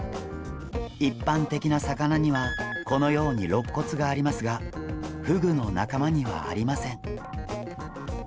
一般的な魚にはこのようにろっ骨がありますがフグの仲間にはありません。